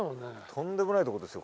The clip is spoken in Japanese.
とんでもないとこですよ